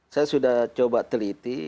saya sudah coba teliti